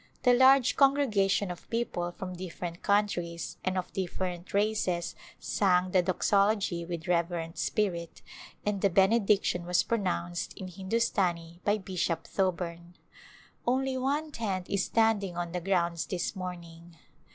The large congregation of people from different countries and of different races sang the Doxology with reverent spirit and the Benediction was pronounced in Hindu stani by Bishop Thoburn. Only one tent is standing on the grounds this morning.